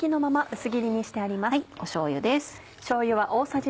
しょうゆです。